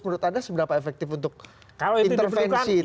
menurut anda seberapa efektif untuk intervensi itu